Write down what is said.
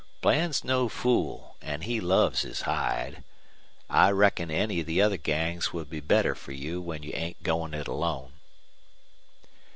Bland's no fool, an' he loves his hide. I reckon any of the other gangs would be better fer you when you ain't goin' it alone."